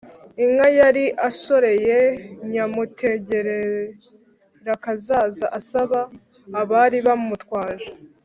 inka yari ashoreye Nyamutegerakazaza asaba abari bamutwaje